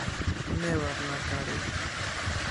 მე ვარ მაგარი